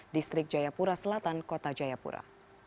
distrik jayapura selatan kota jayapura